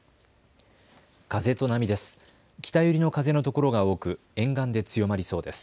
風と波です。